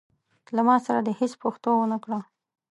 له ما سره دي هيڅ پښتو نه وکړه.